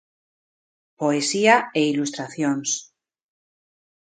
Poesía e ilustracións.